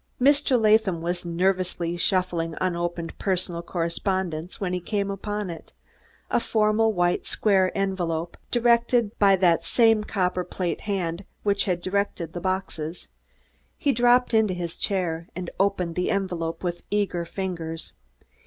Mr. Latham was nervously shuffling his unopened personal correspondence when he came upon it a formal white square envelope, directed by that same copperplate hand which had directed the boxes. He dropped into his chair, and opened the envelope with eager fingers.